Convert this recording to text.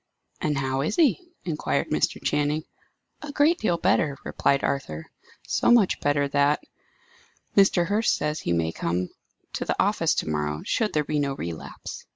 "And how is he?" inquired Mr. Channing. "A great deal better," replied Arthur. "So much better that Mr. Hurst says he may come to the office to morrow should there be no relapse.